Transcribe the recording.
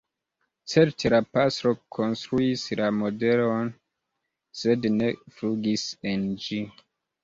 Certe la pastro konstruis la modelon, sed ne flugis en ĝi.